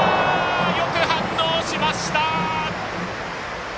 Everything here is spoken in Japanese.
よく反応しました！